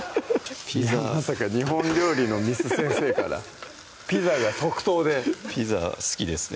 まさか日本料理の簾先生からピザが即答でピザ好きですね